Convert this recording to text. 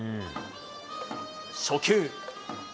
初球。